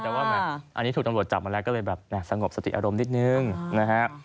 แต่ว่าอันนี้ถูกตำรวจจับมาแล้วก็เลยแบบสงบสติอารมณ์นิดนึงนะฮะ